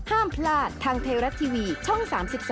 ห้ามพลาดทางไทยรัฐทีวีช่อง๓๒